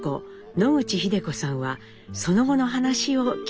野口秀子さんはその後の話を聞いていました。